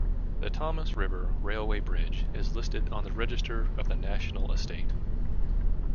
The Thomson River Railway Bridge is listed on the Register of the National Estate.